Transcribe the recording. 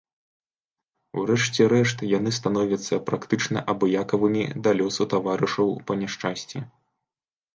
У рэшце рэшт яны становяцца практычна абыякавымі да лёсу таварышаў па няшчасці.